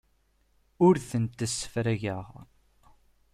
Ur tent-ssefrageɣ.